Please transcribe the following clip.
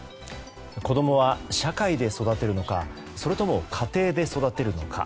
子供は社会で育てるのかそれとも、家庭で育てるのか。